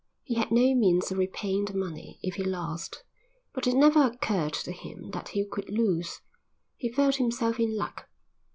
He had no means of repaying the money if he lost, but it never occurred to him that he could lose. He felt himself in luck.